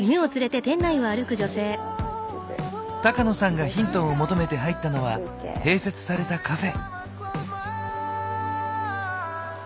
高野さんがヒントを求めて入ったのは併設されたカフェ。